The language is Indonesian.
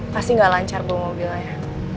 pasti gak lancar bawa mobilnya